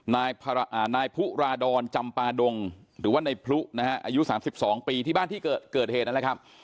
นายพุราดรจำปาดงหรือว่าในพลุนะฮะอายุ๓๒ปีที่บ้านที่เกิดเหตุนั่นแหละครับ